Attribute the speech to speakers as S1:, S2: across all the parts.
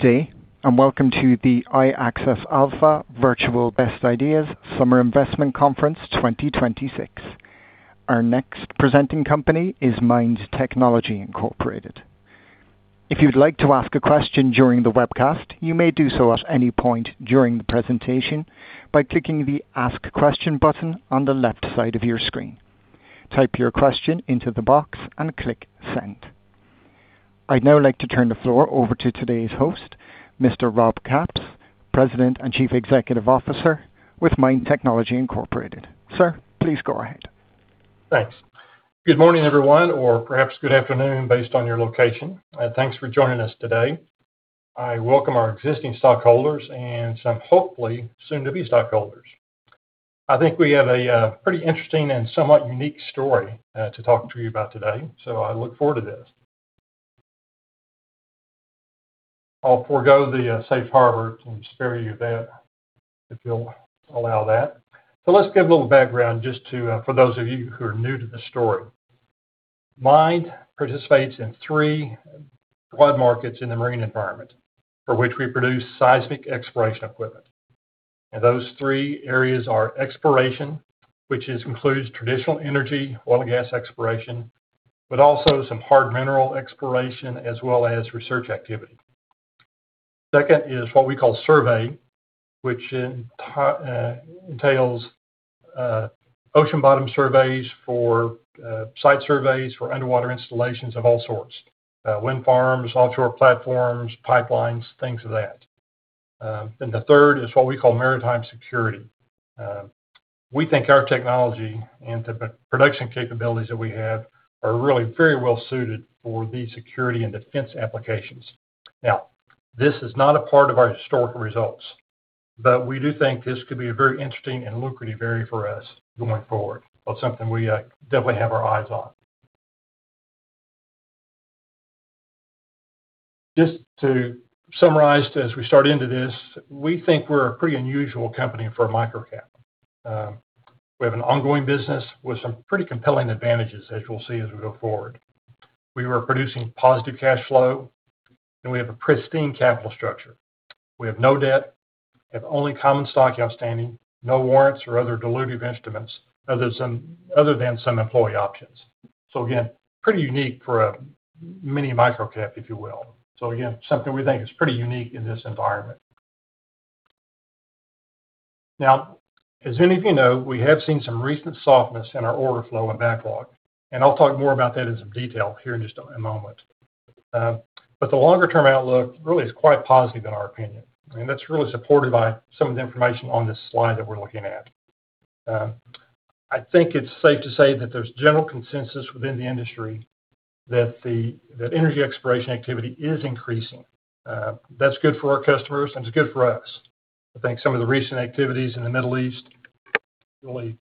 S1: Good day, welcome to the iAccess Alpha Virtual Best Ideas Summer Investment Conference 2026. Our next presenting company is MIND Technology Incorporated. If you'd like to ask a question during the webcast, you may do so at any point during the presentation by clicking the Ask Question button on the left side of your screen. Type your question into the box and click Send. I'd now like to turn the floor over to today's host, Mr. Rob Capps, President and Chief Executive Officer with MIND Technology Incorporated. Sir, please go ahead.
S2: Thanks. Good morning, everyone, or perhaps good afternoon based on your location. Thanks for joining us today. I welcome our existing stockholders and some hopefully soon-to-be stockholders. I think we have a pretty interesting and somewhat unique story to talk to you about today, so I look forward to this. I'll forego the safe harbor and spare you that, if you'll allow that. Let's give a little background just for those of you who are new to the story. MIND participates in three broad markets in the marine environment for which we produce seismic exploration equipment. Those three areas are exploration, which includes traditional energy, oil and gas exploration, but also some hard mineral exploration as well as research activity. Second is what we call survey, which entails ocean bottom surveys for site surveys, for underwater installations of all sorts, wind farms, offshore platforms, pipelines, things of that. The third is what we call maritime security. We think our technology and the production capabilities that we have are really very well suited for the security and defense applications. This is not a part of our historical results, but we do think this could be a very interesting and lucrative area for us going forward. It's something we definitely have our eyes on. Just to summarize as we start into this, we think we're a pretty unusual company for a micro cap. We have an ongoing business with some pretty compelling advantages, as you'll see as we go forward. We are producing positive cash flow, and we have a pristine capital structure. We have no debt, have only common stock outstanding, no warrants or other dilutive instruments, other than some employee options. Again, pretty unique for a mini micro cap, if you will. Again, something we think is pretty unique in this environment. As many of you know, we have seen some recent softness in our order flow and backlog, I'll talk more about that in some detail here in just a moment. The longer-term outlook really is quite positive in our opinion, that's really supported by some of the information on this slide that we're looking at. I think it's safe to say that there's general consensus within the industry that energy exploration activity is increasing. That's good for our customers and it's good for us. I think some of the recent activities in the Middle East really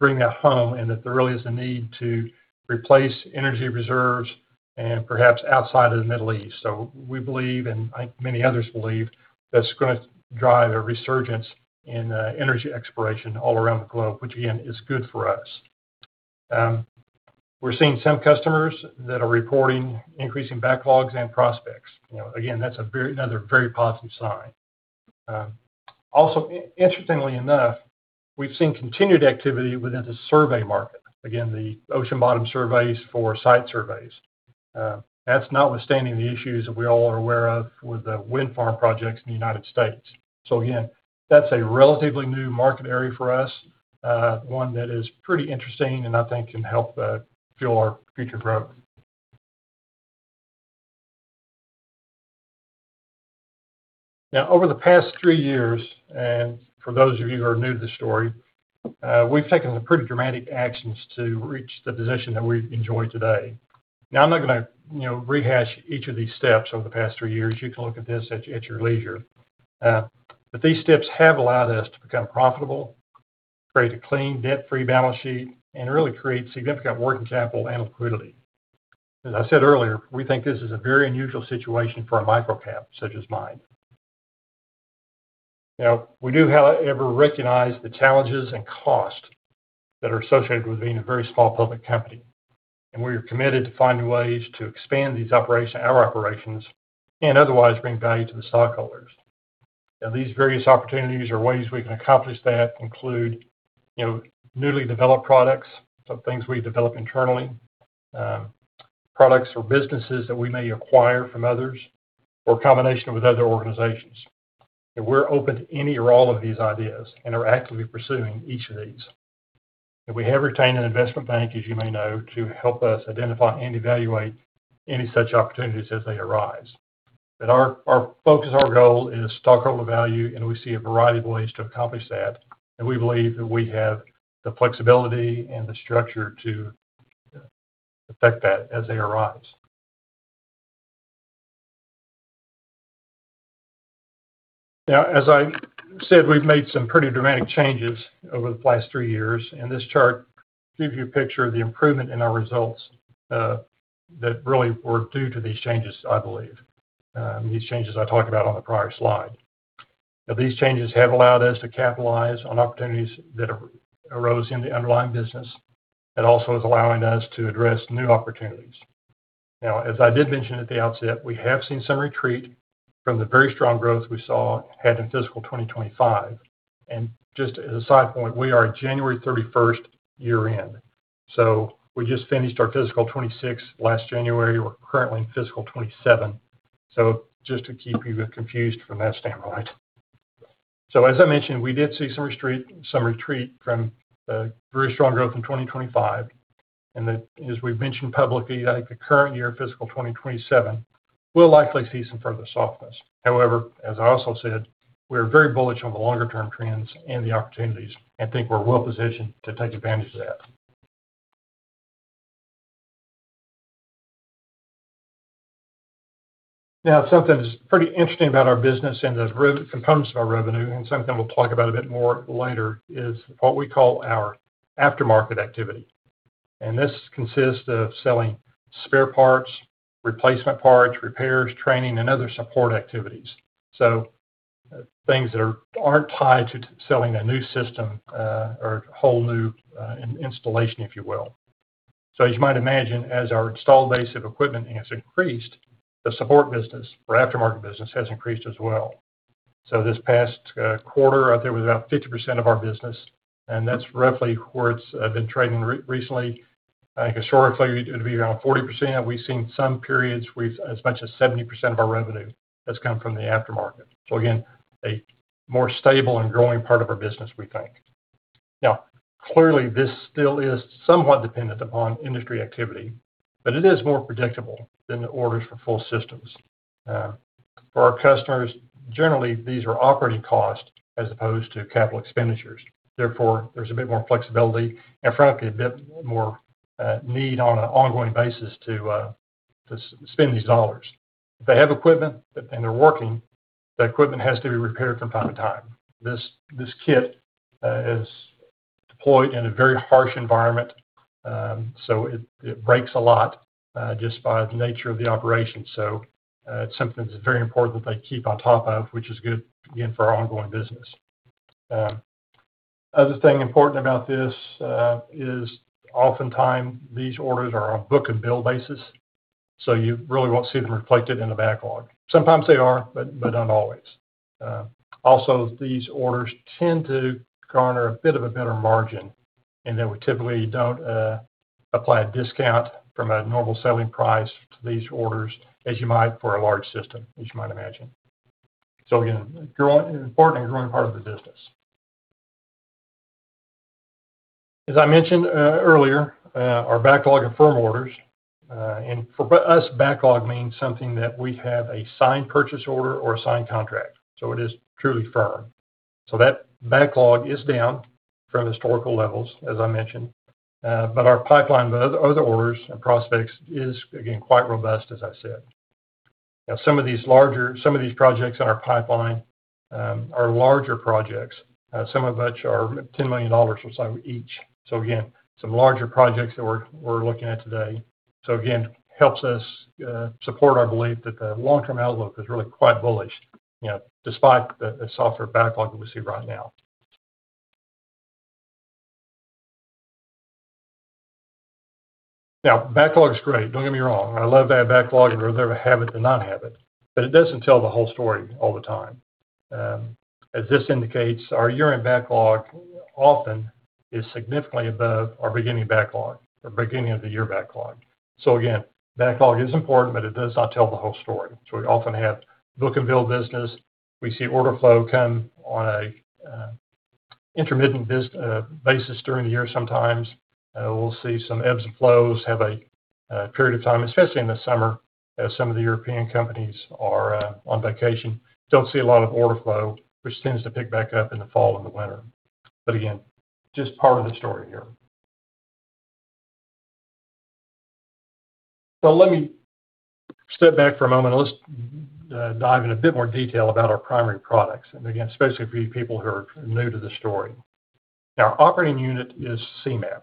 S2: bring that home and that there really is a need to replace energy reserves and perhaps outside of the Middle East. We believe, and I think many others believe, that's going to drive a resurgence in energy exploration all around the globe, which again is good for us. We're seeing some customers that are reporting increasing backlogs and prospects. That's another very positive sign. Also, interestingly enough, we've seen continued activity within the survey market. The ocean bottom surveys for site surveys. That's notwithstanding the issues that we all are aware of with the wind farm projects in the U.S. That's a relatively new market area for us, one that is pretty interesting and I think can help fuel our future growth. Over the past three years, and for those of you who are new to the story, we've taken some pretty dramatic actions to reach the position that we enjoy today. I'm not going to rehash each of these steps over the past three years. You can look at this at your leisure. These steps have allowed us to become profitable, create a clean, debt-free balance sheet, and really create significant working capital and liquidity. As I said earlier, we think this is a very unusual situation for a micro cap such as MIND Technology. We do, however, recognize the challenges and cost that are associated with being a very small public company, and we are committed to finding ways to expand our operations and otherwise bring value to the stockholders. These various opportunities or ways we can accomplish that include newly developed products, so things we develop internally, products or businesses that we may acquire from others, or a combination with other organizations. We're open to any or all of these ideas and are actively pursuing each of these. We have retained an investment bank, as you may know, to help us identify and evaluate any such opportunities as they arise. Our focus, our goal is stockholder value, and we see a variety of ways to accomplish that, and we believe that we have the flexibility and the structure to affect that as they arise. As I said, we've made some pretty dramatic changes over the past three years, and this chart gives you a picture of the improvement in our results that really were due to these changes, I believe. These changes I talked about on the prior slide. These changes have allowed us to capitalize on opportunities that arose in the underlying business, and also is allowing us to address new opportunities. As I did mention at the outset, we have seen some retreat from the very strong growth we had in fiscal 2025. Just as a side point, we are a January 31st year-end. We just finished our fiscal 2026 last January. We're currently in fiscal 2027. Just to keep you confused from that standpoint. As I mentioned, we did see some retreat from the very strong growth in 2025, and as we've mentioned publicly, I think the current year, fiscal 2027, will likely see some further softness. However, as I also said, we are very bullish on the longer-term trends and the opportunities, and think we're well positioned to take advantage of that. Something that's pretty interesting about our business and the components of our revenue, and something we'll talk about a bit more later, is what we call our aftermarket activity. This consists of selling spare parts, replacement parts, repairs, training, and other support activities. Things that aren't tied to selling a new system or whole new installation, if you will. As you might imagine, as our installed base of equipment has increased, the support business or aftermarket business has increased as well. This past quarter, I think it was about 50% of our business, and that's roughly where it's been trending recently. I think historically it would be around 40%. We've seen some periods with as much as 70% of our revenue has come from the aftermarket. Again, a more stable and growing part of our business, we think. Clearly, this still is somewhat dependent upon industry activity, but it is more predictable than the orders for full systems. For our customers, generally, these are operating costs as opposed to capital expenditures. Therefore, there's a bit more flexibility and frankly, a bit more need on an ongoing basis to spend these dollars. If they have equipment and they're working, the equipment has to be repaired from time to time. This kit is deployed in a very harsh environment, so it breaks a lot, just by the nature of the operation. It's something that's very important that they keep on top of, which is good, again, for our ongoing business. Other thing important about this is oftentimes these orders are on a book and bill basis, you really won't see them reflected in the backlog. Sometimes they are, but not always. These orders tend to garner a bit of a better margin, then we typically don't apply a discount from a normal selling price to these orders as you might for a large system, as you might imagine. Again, an important and growing part of the business. As I mentioned earlier, our backlog of firm orders. For us, backlog means something that we have a signed purchase order or a signed contract, it is truly firm. That backlog is down from historical levels, as I mentioned. Our pipeline of other orders and prospects is, again, quite robust, as I said. Some of these projects in our pipeline are larger projects, some of which are $10 million or so each. Again, some larger projects that we're looking at today. Again, helps us support our belief that the long-term outlook is really quite bullish, despite the softer backlog that we see right now. Backlog's great. Don't get me wrong. I love to have backlog, and would rather have it than not have it, but it doesn't tell the whole story all the time. As this indicates, our year-end backlog often is significantly above our beginning backlog or beginning of the year backlog. Again, backlog is important, but it does not tell the whole story. We often have book and bill business. We see order flow come on a intermittent basis during the year sometimes. We'll see some ebbs and flows, have a period of time, especially in the summer, as some of the European companies are on vacation. Don't see a lot of order flow, which tends to pick back up in the fall and the winter. Again, just part of the story here. Let me step back for a moment and let's dive in a bit more detail about our primary products, and again, especially for you people who are new to the story. Our operating unit is Seamap.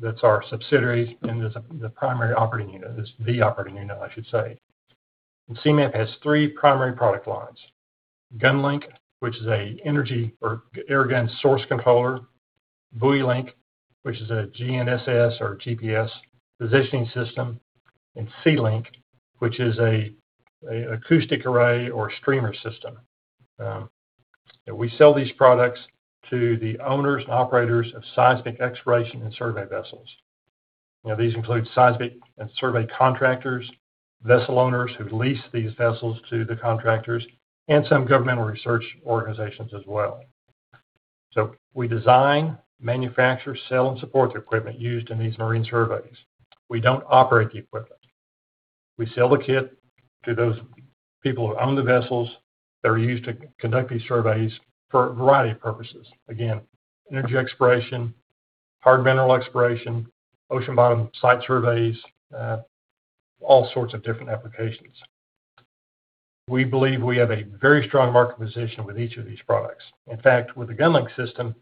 S2: That's our subsidiary and the primary operating unit. It's the operating unit, I should say. Seamap has three primary product lines. GunLink, which is an energy or air gun source controller, BuoyLink, which is a GNSS or GPS positioning system, and SeaLink, which is an acoustic array or streamer system. We sell these products to the owners and operators of seismic exploration and survey vessels. These include seismic and survey contractors, vessel owners who lease these vessels to the contractors, and some governmental research organizations as well. We design, manufacture, sell, and support the equipment used in these marine surveys. We don't operate the equipment. We sell the kit to those people who own the vessels that are used to conduct these surveys for a variety of purposes. Energy exploration, hard mineral exploration, ocean bottom site surveys, all sorts of different applications. We believe we have a very strong market position with each of these products. In fact, with the GunLink system,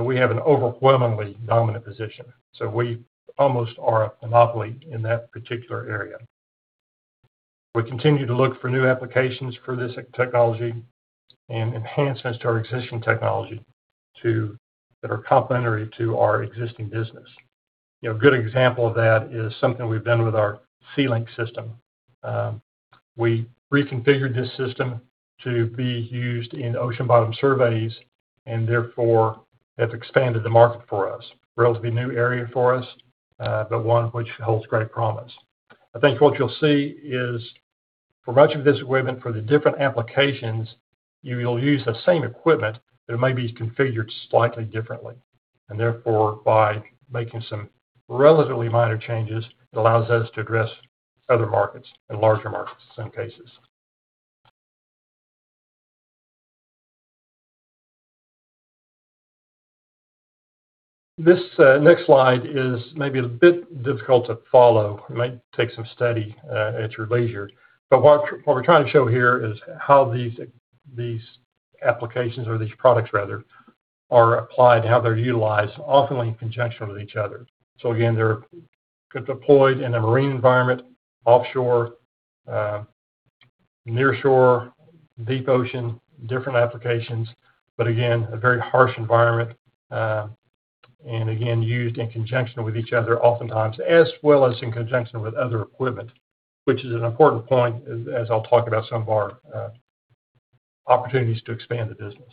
S2: we have an overwhelmingly dominant position. We almost are a monopoly in that particular area. We continue to look for new applications for this technology and enhancements to our existing technology that are complementary to our existing business. A good example of that is something we've done with our SeaLink system. We reconfigured this system to be used in ocean bottom surveys, and therefore have expanded the market for us. Relatively new area for us, but one which holds great promise. I think what you'll see is for much of this equipment, for the different applications, you'll use the same equipment, but it may be configured slightly differently. Therefore, by making some relatively minor changes, it allows us to address other markets and larger markets in some cases. This next slide is maybe a bit difficult to follow. It might take some study at your leisure. What we're trying to show here is how these applications, or these products rather, are applied, how they're utilized, often in conjunction with each other. Again, they're deployed in a marine environment, offshore, near shore, deep ocean, different applications, but again, a very harsh environment. Again, used in conjunction with each other oftentimes, as well as in conjunction with other equipment, which is an important point as I'll talk about some of our opportunities to expand the business.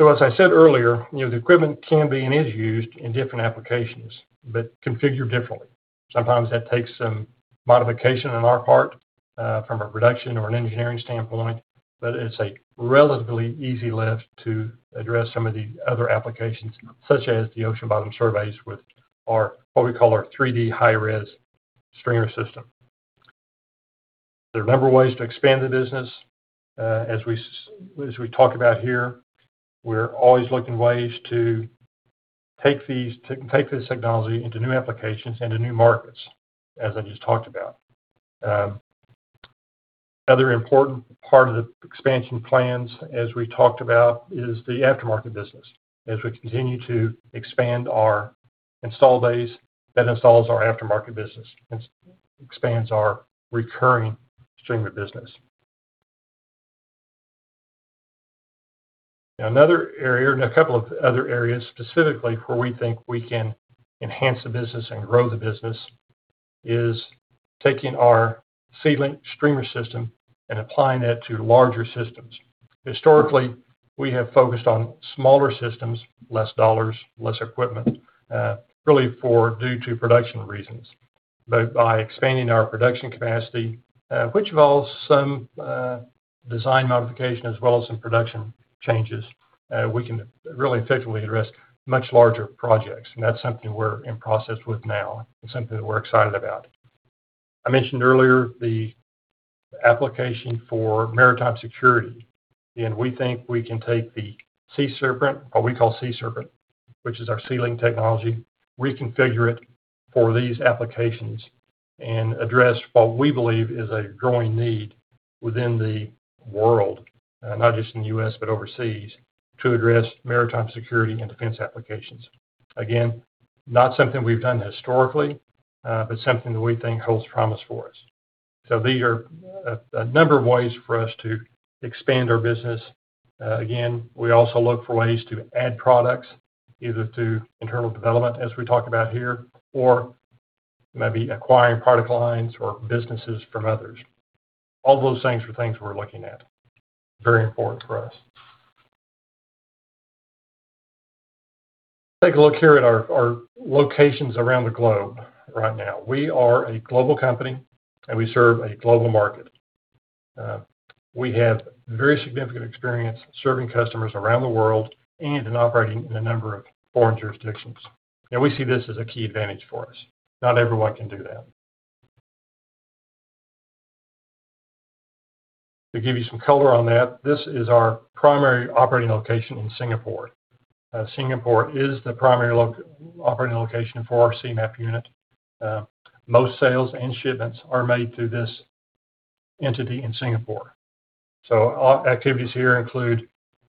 S2: As I said earlier, the equipment can be and is used in different applications, but configured differently. Sometimes that takes some modification on our part, from a production or an engineering standpoint, but it's a relatively easy lift to address some of the other applications, such as the ocean bottom surveys with what we call our 3D Hi-Res streamer system. There are a number of ways to expand the business. We're always looking ways to take this technology into new applications and to new markets, as I just talked about. Other important part of the expansion plans, as we talked about, is the aftermarket business. We continue to expand our install base, that installs our aftermarket business and expands our recurring streaming business. Another area, and a couple of other areas specifically, where we think we can enhance the business and grow the business is taking our SeaLink streamer system and applying that to larger systems. Historically, we have focused on smaller systems, less dollars, less equipment, really due to production reasons. By expanding our production capacity, which involves some design modification as well as some production changes, we can really effectively address much larger projects. That's something we're in process with now and something that we're excited about. I mentioned earlier the application for maritime security, and we think we can take the Sea Serpent, what we call Sea Serpent, which is our SeaLink technology, reconfigure it for these applications and address what we believe is a growing need within the world, not just in the U.S. but overseas, to address maritime security and defense applications. Again, not something we've done historically, but something that we think holds promise for us. These are a number of ways for us to expand our business. Again, we also look for ways to add products, either through internal development, as we talked about here, or maybe acquiring product lines or businesses from others. All those things are things we're looking at. Very important for us. Take a look here at our locations around the globe right now. We are a global company and we serve a global market. We have very significant experience serving customers around the world and in operating in a number of foreign jurisdictions. We see this as a key advantage for us. Not everyone can do that. To give you some color on that, this is our primary operating location in Singapore. Singapore is the primary operating location for our Seamap unit. Most sales and shipments are made through this entity in Singapore. Activities here include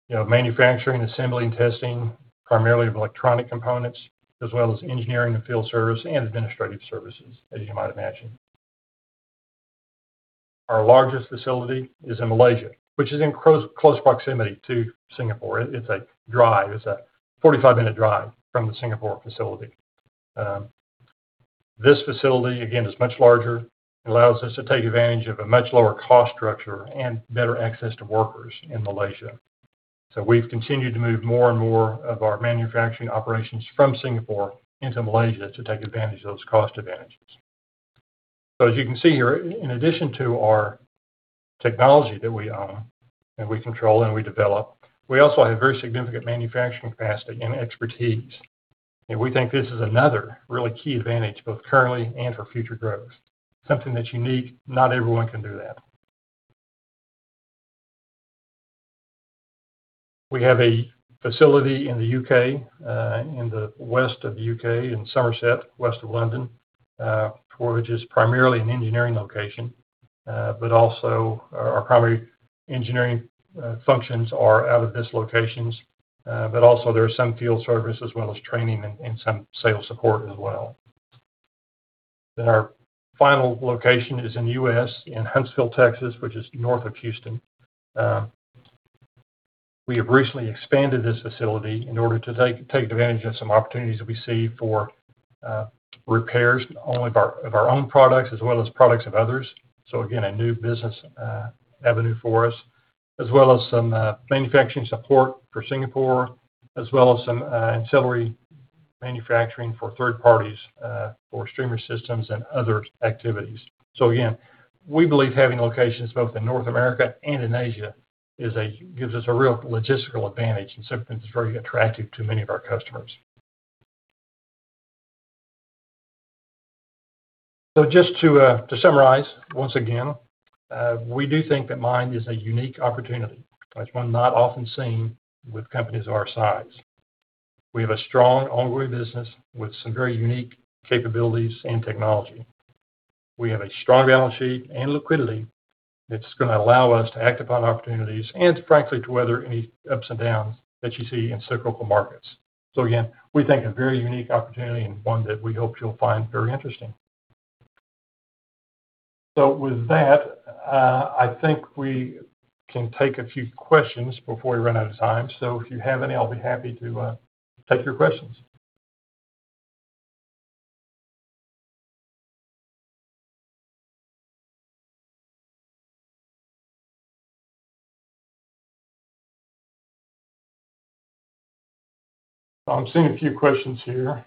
S2: manufacturing, assembly, and testing, primarily of electronic components as well as engineering and field service and administrative services, as you might imagine. Our largest facility is in Malaysia, which is in close proximity to Singapore. It's a 45-minute drive from the Singapore facility. This facility, again, is much larger. It allows us to take advantage of a much lower cost structure and better access to workers in Malaysia. We've continued to move more and more of our manufacturing operations from Singapore into Malaysia to take advantage of those cost advantages. As you can see here, in addition to our technology that we own and we control and we develop, we also have very significant manufacturing capacity and expertise. We think this is another really key advantage, both currently and for future growth. Something that's unique. Not everyone can do that. We have a facility in the U.K., in the west of the U.K., in Somerset, west of London, which is primarily an engineering location. Our primary engineering functions are out of these locations. There is some field service as well as training and some sales support as well. Our final location is in the U.S., in Huntsville, Texas, which is north of Houston. We have recently expanded this facility in order to take advantage of some opportunities that we see for repairs, not only of our own products, as well as products of others. Again, a new business avenue for us, as well as some manufacturing support for Singapore, as well as some ancillary manufacturing for third parties for streamer systems and other activities. Again, we believe having locations both in North America and in Asia gives us a real logistical advantage and something that's very attractive to many of our customers. Just to summarize, once again, we do think that MIND is a unique opportunity. It's one not often seen with companies our size. We have a strong ongoing business with some very unique capabilities and technology. We have a strong balance sheet and liquidity that's going to allow us to act upon opportunities and frankly, to weather any ups and downs that you see in cyclical markets. Again, we think a very unique opportunity and one that we hope you'll find very interesting. With that, I think we can take a few questions before we run out of time. If you have any, I'll be happy to take your questions. I'm seeing a few questions here.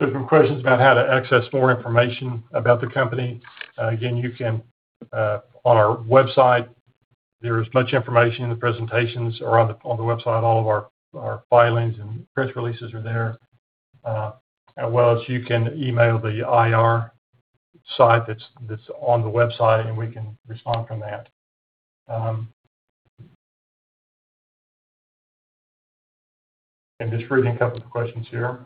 S2: There's some questions about how to access more information about the company. On our website, there is much information in the presentations or on the website. All of our filings and press releases are there. You can email the IR site that's on the website, and we can respond from that. I'm just reading a couple of questions here.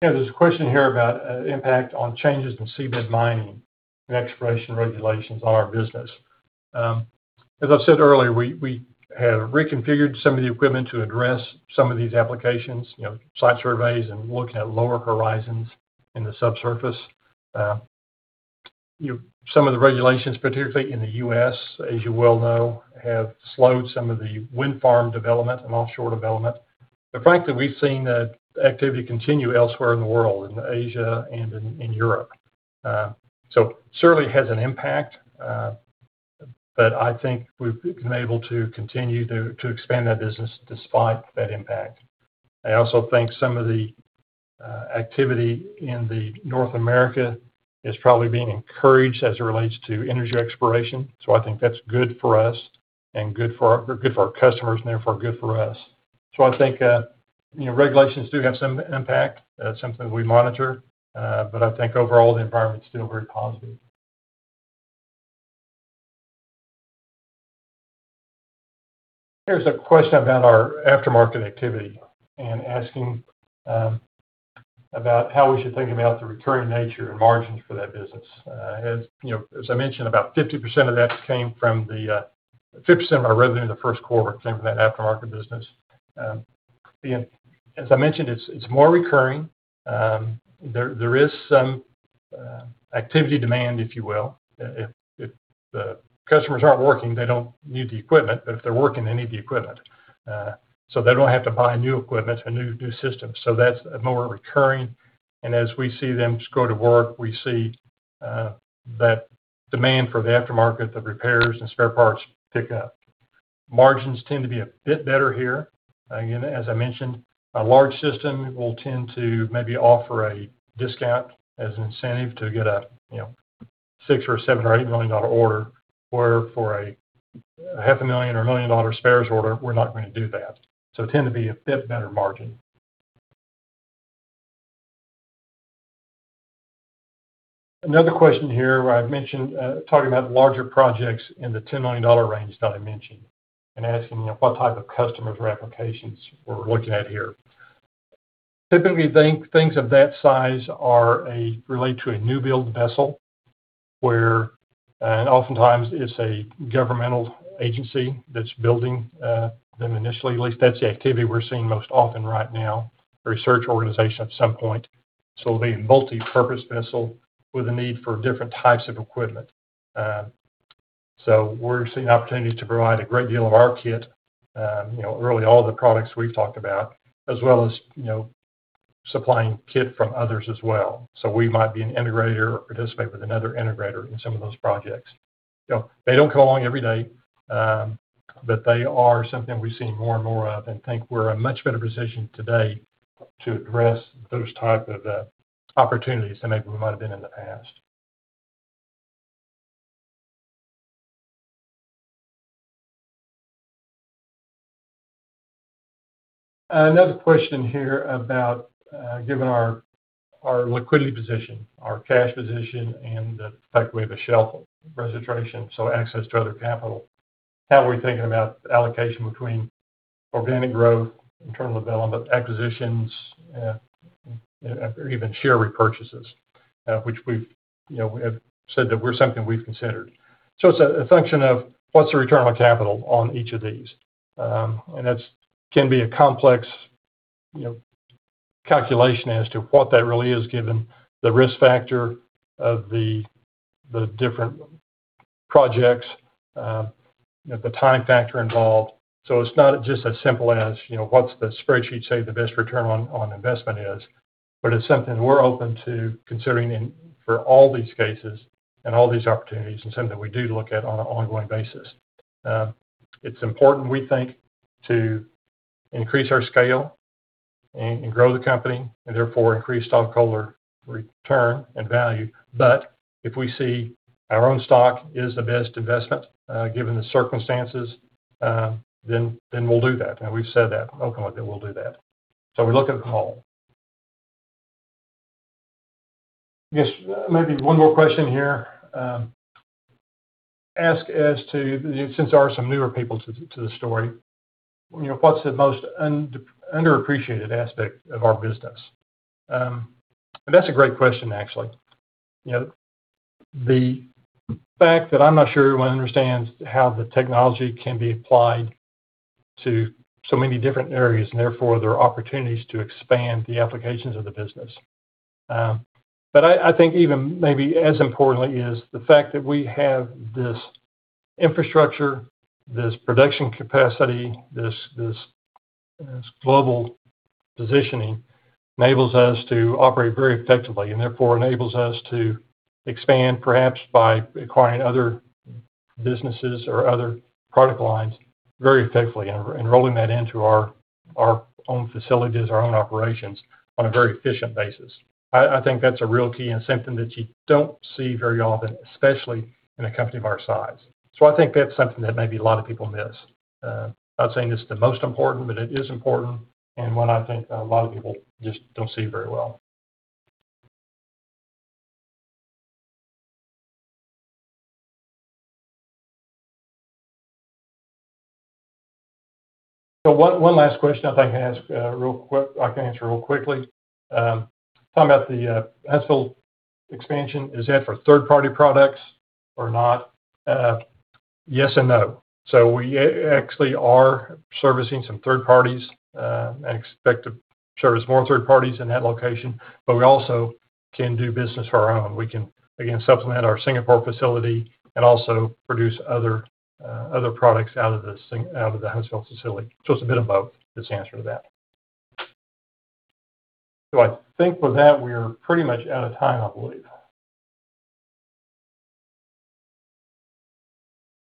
S2: There's a question here about impact on changes in seabed mining and exploration regulations on our business. As I said earlier, we have reconfigured some of the equipment to address some of these applications, site surveys, and looking at lower horizons in the subsurface. Some of the regulations, particularly in the U.S., as you well know, have slowed some of the wind farm development and offshore development. Frankly, we've seen the activity continue elsewhere in the world, in Asia and in Europe. Certainly has an impact, but I think we've been able to continue to expand that business despite that impact. I also think some of the activity in North America is probably being encouraged as it relates to energy exploration. I think that's good for us and good for our customers and therefore good for us. I think regulations do have some impact. It's something we monitor, but I think overall the environment's still very positive. Here's a question about our aftermarket activity and asking about how we should think about the recurring nature and margins for that business. As I mentioned, about 50% of our revenue in the first quarter came from that aftermarket business. As I mentioned, it's more recurring. There is some activity demand, if you will. If the customers aren't working, they don't need the equipment, but if they're working, they need the equipment. They don't have to buy new equipment or new systems. That's more recurring, and as we see them go to work, we see that demand for the aftermarket, the repairs and spare parts pick up. Margins tend to be a bit better here. As I mentioned, a large system will tend to maybe offer a discount as an incentive to get a $6 million or $7 million or $8 million order, where for $500,000 or a million dollars spares order, we're not going to do that. Tend to be a bit better margin. Another question here where I've mentioned talking about larger projects in the $10 million range that I mentioned and asking what type of customers or applications we're looking at here. Typically, things of that size relate to a new build vessel where oftentimes it's a governmental agency that's building them initially. At least that's the activity we're seeing most often right now, a research organization at some point. It'll be a multipurpose vessel with a need for different types of equipment. We're seeing opportunities to provide a great deal of our kit, really all the products we've talked about, as well as supplying kit from others as well. We might be an integrator or participate with another integrator in some of those projects. They don't come along every day, but they are something we're seeing more and more of and think we're in a much better position today to address those type of opportunities than maybe we might have been in the past. Another question here about, given our liquidity position, our cash position, and the fact we have a shelf registration, access to other capital, how are we thinking about allocation between organic growth, internal development, acquisitions, or even share repurchases, which we have said that we're something we've considered. It's a function of what's the return on capital on each of these. That can be a complex calculation as to what that really is given the risk factor of the different projects, the time factor involved. It's not just as simple as what's the spreadsheet say the best return on investment is, but it's something we're open to considering in for all these cases and all these opportunities, and something that we do look at on an ongoing basis. It's important, we think, to increase our scale and grow the company, and therefore increase stockholder return and value. If we see our own stock is the best investment, given the circumstances, then we'll do that. We've said that publicly, we'll do that. We look at all. I guess maybe one more question here. Ask as to, since there are some newer people to the story, what's the most underappreciated aspect of our business? That's a great question, actually. The fact that I'm not sure everyone understands how the technology can be applied to so many different areas, and therefore there are opportunities to expand the applications of the business. I think even maybe as importantly is the fact that we have this infrastructure, this production capacity, this global positioning enables us to operate very effectively and therefore enables us to expand, perhaps by acquiring other businesses or other product lines very effectively and rolling that into our own facilities, our own operations on a very efficient basis. I think that's a real key and something that you don't see very often, especially in a company of our size. I think that's something that maybe a lot of people miss. Not saying it's the most important, but it is important and one I think a lot of people just don't see very well. One last question I think I can answer real quickly. Talking about the Huntsville expansion, is that for third-party products or not? Yes and no. We actually are servicing some third parties, and expect to service more third parties in that location. We also can do business for our own. We can, again, supplement our Singapore facility and also produce other products out of the Huntsville facility. It's a bit of both, is the answer to that. I think with that, we are pretty much out of time, I believe.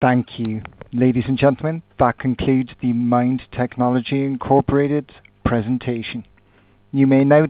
S1: Thank you. Ladies and gentlemen, that concludes the MIND Technology, Inc. presentation. You may now disconnect.